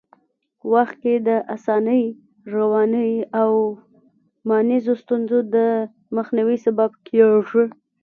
وخت کي د اسانۍ، روانۍ او مانیزو ستونزو د مخنیوي سبب کېږي.